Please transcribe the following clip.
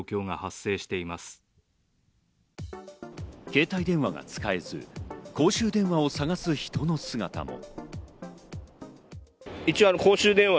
携帯電話が使えず、公衆電話を探す人の姿も。